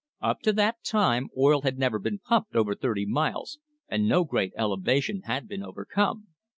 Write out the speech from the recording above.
Up to that time oil had never been pumped over thirty miles, and no great elevation had been overcome.